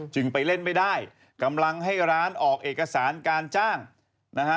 ไปเล่นไม่ได้กำลังให้ร้านออกเอกสารการจ้างนะฮะ